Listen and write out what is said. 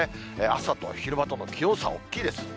朝と昼間との気温差、大きいです。